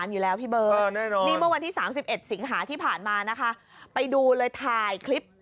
นี่เมื่อวันที่๓๑สิงหาที่ผ่านมานะคะไปดูเลยถ่ายคลิป